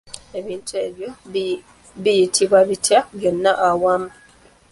Ebintu ebyo biyitibwa bitya byonna awamu?